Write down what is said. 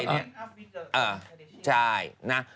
อ่าใช่น่ะ